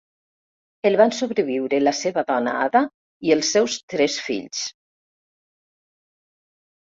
El van sobreviure la seva dona, Ada i els seus tres fills.